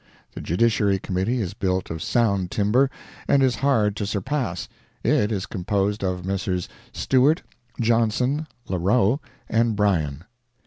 the Judiciary Committee is built of sound timber, and is hard to surpass; it is composed of Messrs. Stewart, Johnson, Larrowe and Bryan.